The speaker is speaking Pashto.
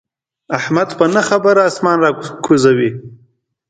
احمد په نه خبره اسمان را کوزوي.